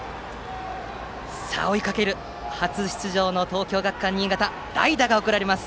追いかける初出場の東京学館新潟代打が送られます。